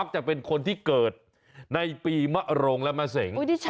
จะเป็นคนที่เกิดในปีมะโรงและมะเสง